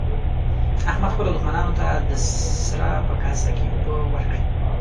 احمد خپلو دوښمنانو ته د سره په کاسه کې اوبه ورکړې.